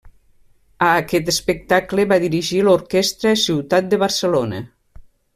A aquest espectacle va dirigir l'Orquestra Ciutat de Barcelona.